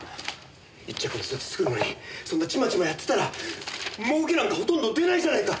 一着のスーツ作るのにそんなちまちまやってたら儲けなんかほとんど出ないじゃないか！